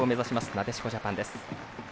なでしこジャパンです。